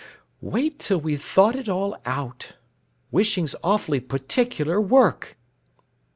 "Wait till we've thought it all out. Wishing's awfully particular work!"